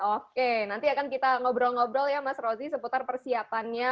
oke nanti akan kita ngobrol ngobrol ya mas rozi seputar persiapannya